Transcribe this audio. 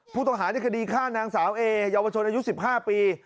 ผู้ต้องหาในคดีฆ่านางสาวเอเยาวชนอายุ๑๕ปี